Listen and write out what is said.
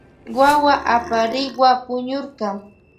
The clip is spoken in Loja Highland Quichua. Wawa aparikwa puñurka.